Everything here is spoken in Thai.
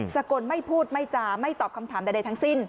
สกลไม่พูดไม่จาไม่ตอบคำถามใดทั้งสิ้น